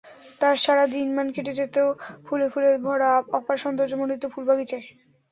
তার সারা দিনমান কেটে যেত ফুলে ফুলে ভরা অপার সৌন্দর্যমণ্ডিত ফুল বাগিচায়।